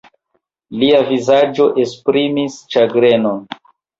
Lia vizaĝo esprimis ĉagrenon.